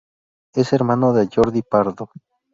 Es hermano de Jordi Pardo.